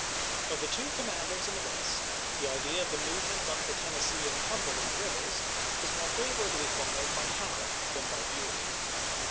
Of the two commanders in the West, the idea of the movement up the Tennessee and Cumberland rivers was more favoi'ably thought of by Halleck than by Buell.